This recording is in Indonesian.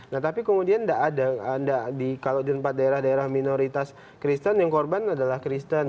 nah tapi kemudian kalau di tempat daerah daerah minoritas kristen yang korban adalah kristen